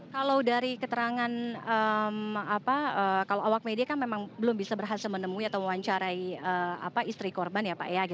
kalau dari keterangan kalau awak media kan memang belum bisa berhasil menemui atau mewawancarai istri korban ya pak ya